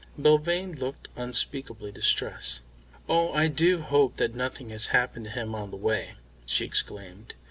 Belvane looked unspeakably distressed. "Oh, I do hope that nothing has happened to him on the way," she exclaimed.